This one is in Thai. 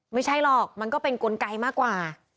ไม่ใช่หรอกมันก็เป็นกลไกมากกว่า